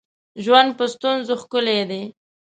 ژوند په ستونزو ښکلی دی